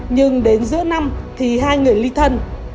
nhưng đến giữa năm thì hai người ly thân